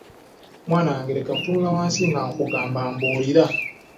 Mwana wange leka kutunula wansi nga nkugamba mbuulira.